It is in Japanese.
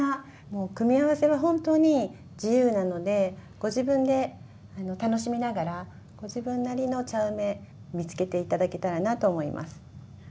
もう組み合わせは本当に自由なのでご自分で楽しみながらご自分なりの茶梅見つけて頂けたらなと思います。